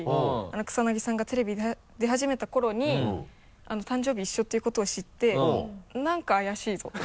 草薙さんがテレビ出始めた頃に誕生日一緒っていうことを知ってなんか怪しいぞと。